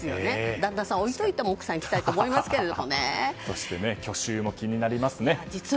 旦那さんを置いても奥さんはそして去就も気になりますね。